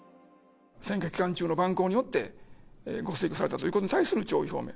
選挙期間中の蛮行によって、ご逝去されたということに対する弔意表明。